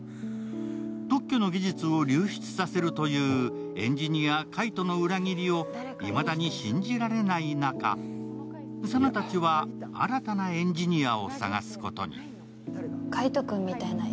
特許の技術を流出させるという、エンジニア・海斗の裏切りをいまだに信じられない中、佐奈たちは新たなエンジニアを探すことに。